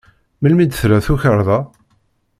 Melmi d-tella tukerḍa?